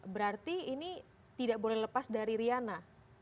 berarti ini tidak boleh lepas dari riana